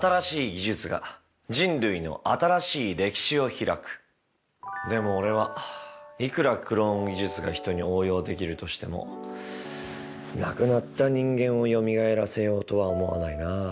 この日でも俺はいくらクローン技術が人に応用できるとしても亡くなった人間をよみがえらせようとは思わないな。